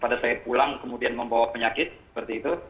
pada saya pulang kemudian membawa penyakit seperti itu